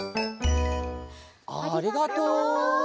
ありがとう！